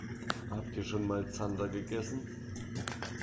Habt ihr schon mal Zander gegessen?